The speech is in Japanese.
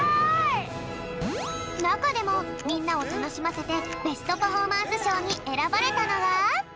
なかでもみんなをたのしませてベストパフォーマンスしょうにえらばれたのが。